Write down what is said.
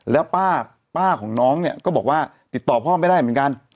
แล้วป้าของน้องเนี่ยก็บอกว่าติดต่อพ่อไม่ได้เหมือนกัน